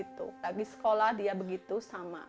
tapi sekolah dia begitu sama